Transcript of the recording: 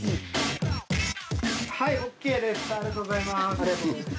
ありがとうございます。